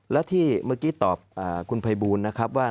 และที่เมื่อกี้ตอบคุณภัยบูลนะครับว่า